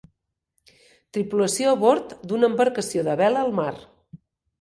Tripulació a bord d'una embarcació de vela al mar.